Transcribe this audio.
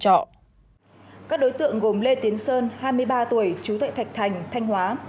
các đối tượng gồm lê tiến sơn hai mươi ba tuổi chú tệ thạch thành thanh hóa